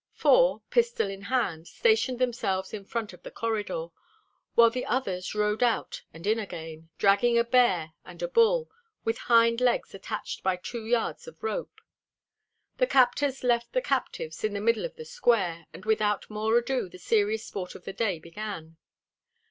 Four, pistol in hand, stationed themselves in front of the corridor, while the others rode out and in again, dragging a bear and a bull, with hind legs attached by two yards of rope. The captors left the captives in the middle of the square, and without more ado the serious sport of the day began.